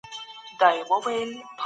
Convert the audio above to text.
هیڅ شی بې ځایه نه دی پیدا شوی.